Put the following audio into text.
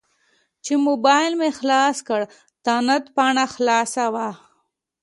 چې موبایل مې خلاص کړ تاند پاڼه خلاصه وه.